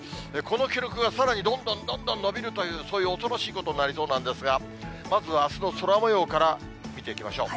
この記録がさらにどんどんどんどんのびるという、そういう恐ろしいことになりそうなんですが、まずはあすの空もようから見ていきましょう。